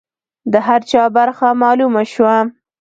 د هر چا برخه معلومه شوه.